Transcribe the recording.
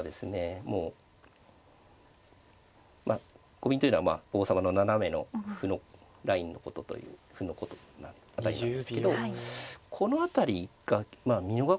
コビンというのは王様の斜めの歩のラインのことという歩のラインなんですけどこの辺りが美濃囲いの急所なんですよね